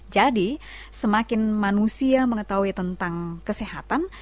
jadi semakin manusia mengetahui tentang kesehatan